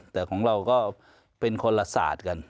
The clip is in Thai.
แต่ของเราก็เป็นคนละศาสตร์กัน